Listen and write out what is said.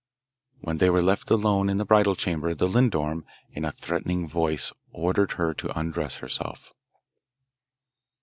When they were left alone in the bridal chamber the lindorm, in a threatening voice, ordered her to undress herself.